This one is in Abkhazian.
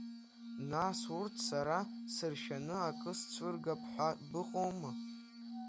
Нас урҭ сара сыршәаны акы сцәыргап ҳәа быҟоума?